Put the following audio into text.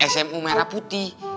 smu merah putih